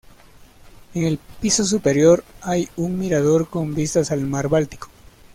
En el piso superior hay un mirador con vistas al mar Báltico.